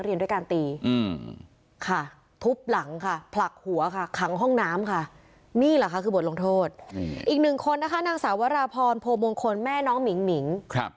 อีกหนึ่งคนนะคะนางสาวราพรโผล่วงคลแม่น้องหมิ๊งหมิ๊ง